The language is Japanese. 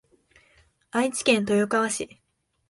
愛知県豊川市